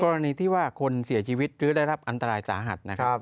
กรณีที่ว่าคนเสียชีวิตหรือได้รับอันตรายสาหัสนะครับ